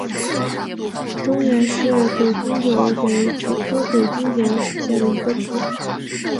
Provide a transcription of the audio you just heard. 中原氏鬼督邮为菊科鬼督邮属下的一个种。